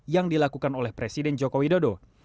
yang dilakukan oleh presiden joko widodo